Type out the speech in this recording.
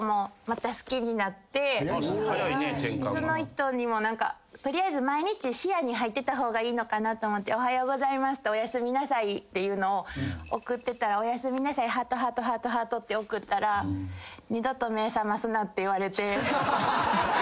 その人にも何か取りあえず毎日視野に入ってた方がいいのかなと思っておはようございますとおやすみなさいっていうのを送ってたらおやすみなさい♥♥♥♥って送ったら二度と目覚ますなって言われて。